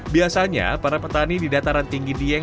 biasanya para petani di dataran tinggi dieng